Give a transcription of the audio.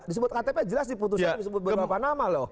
disebut ktp jelas diputuskan disebut beberapa nama loh